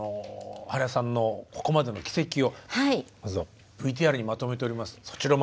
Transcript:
原さんのここまでの軌跡をまずはＶＴＲにまとめておりますのでそちら